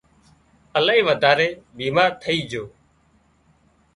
الاهي وڌاري بيمار ٿئي جھو